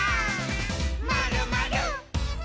「まるまる」